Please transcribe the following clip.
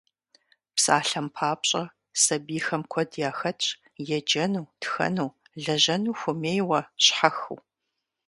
Псалъэм папщӀэ, сабийхэм куэд яхэтщ еджэну, тхэну, лэжьэну хуэмейуэ, щхьэхыу.